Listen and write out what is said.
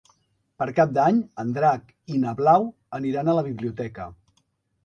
Per Cap d'Any en Drac i na Blau aniran a la biblioteca.